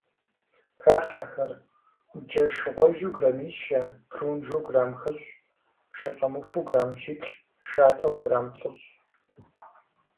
Халъхьэхэр: джэш гъуэжьу граммищэ, прунжу грамм хыщӏ, шэ щӀэмыхуу грамм щиплӏ, шатэу грамм плӏыщӏ.